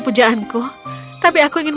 pujaanku tapi aku ingin